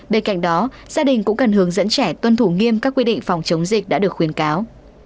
bên cạnh đó gia đình cũng cần hướng dẫn trẻ tuân thủ nghiêm các quy định phòng chống dịch đã được khuyến cáo